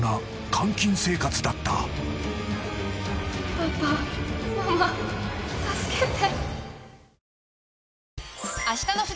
パパママ助けて